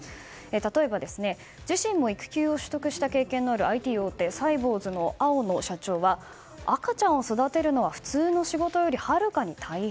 例えば、自身も育休を取得した経験があるＩＴ大手サイボウズの青野社長は赤ちゃんを育てるのは普通の仕事よりはるかに大変。